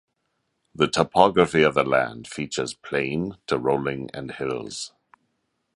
The topography of the land features plain to rolling and hills.